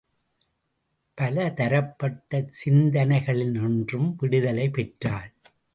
பலதரப்பட்ட சிந்தனைகளினின்றும் விடுதலை பெற்றாள்.